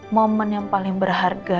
momen yang paling berharga